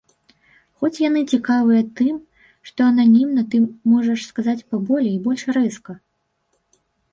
Хоць яны цікавыя тым, што ананімна ты можаш сказаць паболей і больш рэзка.